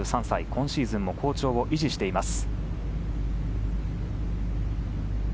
今シーズンも好調を維持しています。